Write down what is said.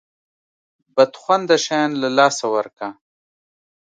بد خونده شیان له لاسه ورکه.